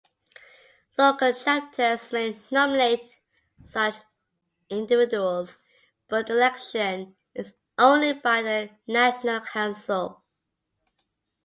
Local chapters may nominate such individuals, but election is only by the National Council.